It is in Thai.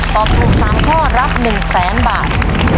ตอบถูก๓ข้อรับ๑แสนบาท